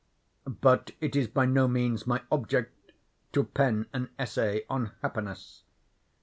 But it is by no means my object to pen an essay on happiness.